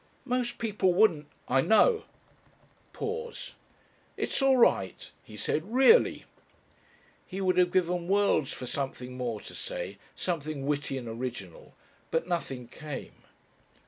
"Most people wouldn't " "I know." Pause. "It's all right," he said. "Really." He would have given worlds for something more to say, something witty and original, but nothing came.